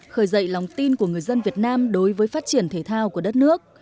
khởi dậy lòng tin của người dân việt nam đối với phát triển thể thao của đất nước